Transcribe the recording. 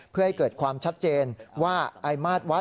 เพื่อให้เกิดความชัดเจนว่าไอ้มาตรวัด